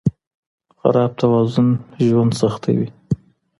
خراب توازن ژوند سختوي.